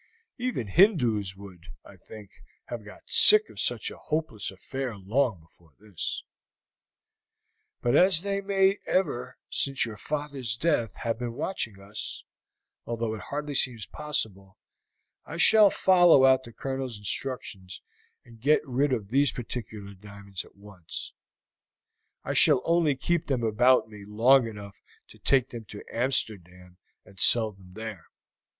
Even Hindoos would, I think, have got sick of such a hopeless affair long before this; but as they may ever since your father's death have been watching us, although it hardly seems possible, I shall follow out the Colonel's instructions, and get rid of those particular diamonds at once. I shall only keep them about me long enough to take them to Amsterdam and sell them there.